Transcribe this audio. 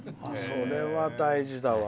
それは大事だわ。